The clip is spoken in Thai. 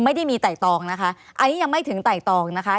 ไม่ได้มีไต่ตองนะคะอันนี้ยังไม่ถึงไต่ตองนะคะ